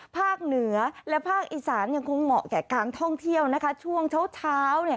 ภาคเหนือและภาคอีสานยังคงเหมาะแก่การท่องเที่ยวช่วงเช้า